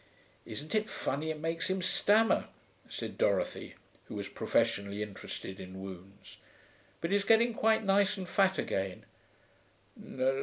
'Isn't it funny, it makes him stammer,' said Dorothy, who was professionally interested in wounds. 'But he's getting quite nice and fat again.'